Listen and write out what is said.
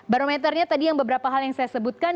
barometernya tadi yang beberapa hal yang saya sebutkan